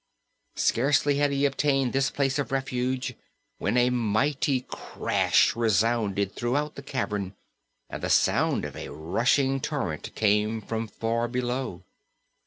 Scarcely had he obtained this place of refuge when a mighty crash resounded throughout the cavern and the sound of a rushing torrent came from far below.